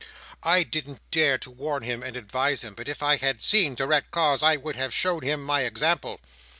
I didn't dare to warn him, and advise him; but if I had seen direct cause, I would have shown him my example.